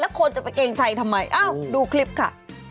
แล้วคนจะไปเกรงใจทำไมอ้าวดูคลิปค่ะ